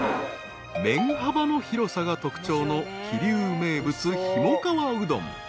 ［麺幅の広さが特徴の桐生名物ひもかわうどん］